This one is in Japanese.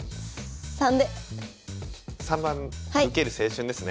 ３番「受ける青春」ですね？